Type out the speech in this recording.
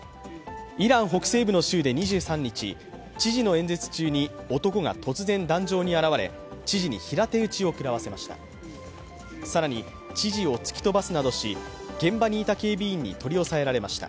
イラン北西部の州で２３日、知事の演説中に男が突然壇上に現れ、知事に平手打ちを食らわせました。